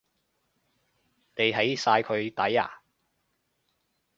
你起晒佢底呀？